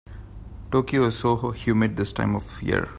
Tokyo is so humid this time of year.